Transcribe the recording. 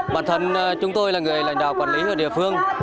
bản thân chúng tôi là người lãnh đạo quản lý ở địa phương